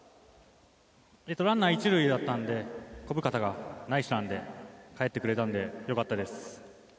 ランナー１塁だったので小深田がナイスランでかえってくれたのでよかったです。